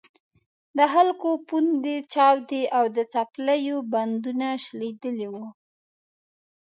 د خلکو پوندې چاودې او د څپلیو بندونه شلېدلي وو.